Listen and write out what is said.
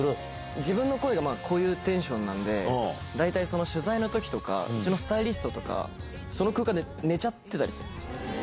自分の声がこういうテンションなんで、大体その取材のときとか、うちのスタイリストとか、その空間で寝ちゃってたりするんですよ。